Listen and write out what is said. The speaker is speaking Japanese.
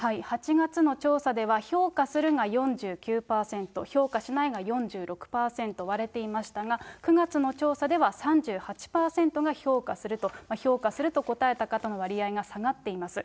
８月の調査では評価するが４９％、評価しないが４６％、割れていましたが、９月の調査では３８％が評価すると、評価すると答えた方の割合が下がっています。